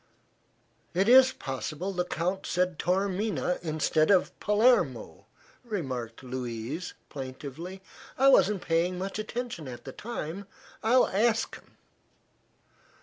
"It is possible the Count said Taormina, instead of Palermo," remarked Louise, plaintively. "I wasn't paying much attention at the time. I'll ask him."